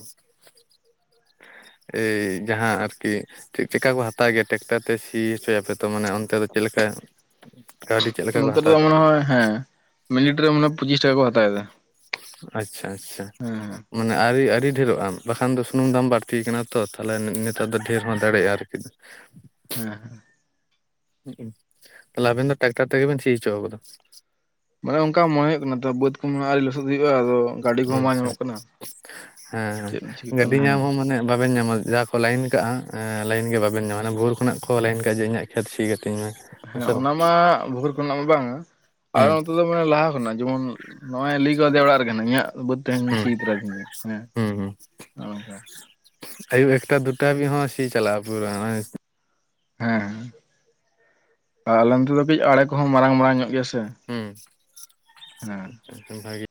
ᱮᱭ ᱡᱟᱦᱟᱸ ᱟᱨᱠᱤ ᱪᱮᱫ ᱪᱮᱠᱟ ᱠᱚ ᱦᱟᱛᱟᱣ ᱜᱮᱭᱟ ᱴᱮᱠᱴᱟᱨ ᱚᱱᱛᱮ ᱥᱤ ᱦᱚᱪᱚᱭᱟᱯᱮ ᱛᱚ ᱢᱟᱱᱮ ᱚᱱᱛᱮ ᱫᱚ ᱪᱮᱫ ᱞᱮᱠᱟ ᱠᱟᱹᱣᱰᱤ ᱪᱮᱫ ᱞᱮᱠᱟ ᱠᱚ ᱱᱚᱛᱮ ᱦᱟᱛᱟᱣ ᱨᱮᱫᱚ ᱢᱚᱱᱮ ᱛᱟᱯᱮᱭᱟ? ᱦᱚᱭ ᱦᱮᱸ ᱢᱤᱱᱤᱴ ᱨᱮ ᱢᱟᱱᱮ ᱯᱚᱸᱪᱤᱥ ᱴᱟᱠᱟ ᱠᱚ ᱦᱟᱛᱟᱣ ᱮᱫᱟ ᱾ ᱟᱪᱪᱷᱟ ᱟᱪᱪᱷᱟ, ᱢᱟᱱᱮ ᱟᱹᱨᱤ ᱟᱹᱰᱤ ᱰᱷᱮᱨᱚᱜᱼᱟ ᱵᱟᱠᱷᱟᱱ ᱫᱚ ᱥᱩᱱᱩᱢ ᱫᱟᱢ ᱵᱟᱹᱲᱛᱤᱭᱠᱟᱱᱟ ᱛᱚ ᱛᱟᱞᱦᱮ ᱱᱮᱛᱟᱨ ᱫᱚ ᱰᱷᱮᱨ ᱦᱚᱸ ᱫᱟᱲᱮᱭᱟᱜᱼᱟ ᱟᱨᱠᱤ, (inaudible) ᱦᱮᱸ ᱦᱮᱸ, ᱛᱟᱦᱚᱞᱮ ᱟᱵᱮᱱ ᱫᱚ ᱴᱟᱠᱴᱟᱨ ᱛᱮᱜᱮ ᱵᱮᱱ ᱥᱤ ᱦᱚᱪᱚᱣ ᱠᱟᱫᱟ? ᱢᱟᱱᱮ ᱚᱱᱠᱟ ᱢᱚᱱᱮ ᱦᱩᱭᱩᱜ ᱠᱟᱱᱟ, ᱛᱚ ᱵᱟᱹᱫ ᱠᱚᱫᱚ ᱟᱣᱨᱤ ᱞᱚᱥᱚᱫ ᱦᱩᱭᱩᱜᱼᱟ, ᱟᱫᱚ ᱜᱟᱹᱰᱤ ᱠᱚᱦᱚᱸ ᱵᱟᱝ ᱟᱪᱪᱷᱟ ᱧᱟᱢᱚᱜ ᱠᱟᱱᱟ ᱦᱮᱸ ᱪᱮᱫ ᱪᱤᱠᱟᱹᱜ ᱦᱮᱸ ᱜᱟᱹᱰᱤ ᱠᱟᱱᱟ ᱧᱟᱢ ᱦᱮᱸ ᱦᱚᱸ ᱢᱟᱱᱮ ᱵᱟᱵᱮᱱ ᱧᱟᱢᱟ, ᱡᱟ ᱠᱚ ᱞᱟᱭᱤᱱ ᱠᱟᱜᱼᱟ ᱞᱟᱭᱤᱱ ᱜᱮ ᱵᱟᱵᱮᱱ ᱧᱟᱢᱟ ᱵᱷᱳᱨ ᱠᱷᱚᱱᱟᱜ ᱠᱚ ᱞᱟᱭᱤᱱ ᱠᱟᱜᱼᱟ ᱡᱮ ᱤᱧᱟᱹᱜ ᱠᱷᱮᱛ ᱥᱤ ᱠᱟᱛᱤᱧ ᱢᱮ᱾ ᱦᱮᱸ ᱥᱮ ᱵᱟᱝ ᱚᱱᱟ ᱢᱟ ᱵᱷᱳᱨ ᱠᱷᱚᱱᱟᱜ ᱢᱟ ᱵᱟᱝᱟ ᱟᱨ ᱦᱩᱸ ᱱᱚᱛᱮ ᱫᱚ ᱠᱚ ᱞᱟᱦᱟ ᱠᱷᱚᱱᱟᱜ ᱡᱮᱢᱚᱱ ᱱᱚᱜᱼᱚᱭ ᱞᱟᱹᱭ ᱠᱟᱣᱫᱮᱭᱟ ᱚᱲᱟᱜ ᱨᱮᱜᱮ ᱤᱧᱟᱹᱜ ᱵᱟᱹᱫ ᱫᱚ ᱴᱮᱱ ᱦᱩᱸ ᱪᱷᱤ ᱛᱚᱨᱟᱭᱛᱤᱧ ᱦᱮᱸ ᱚᱝᱠᱟ᱾ ᱟᱭᱩᱵ ᱮᱠᱴᱟ ᱫᱩᱴᱟ ᱦᱟᱵᱤᱡ ᱦᱚᱸ ᱪᱟᱞᱟᱜᱼᱟ ᱯᱩᱨᱟᱹ (unintelligible) ᱦᱮᱸ ᱟᱞᱮ ᱚᱱᱛᱮ ᱫᱚ ᱠᱟᱹᱡ ᱟᱲᱮ ᱠᱚᱦᱚᱸ ᱢᱟᱨᱟᱝ ᱢᱟᱨᱟᱝ ᱧᱚᱜ ᱜᱮᱭᱟ ᱥᱮ᱾ ᱦᱩᱸ ᱦᱮᱸ ᱟᱪᱪᱷᱟ ᱵᱷᱟᱜᱮ